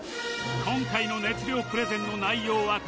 今回の熱量プレゼンの内容はこちら